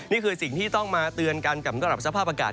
นี่คือสิ่งที่ต้องมาเตือนกันกับสภาพอากาศ